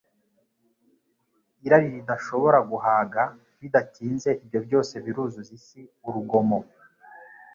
irari ridashobora guhaga bidatinze ibyo byose biruzuza isi urugomo.